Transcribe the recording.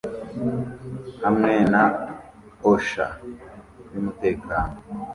hamwe na OSHA yumutekano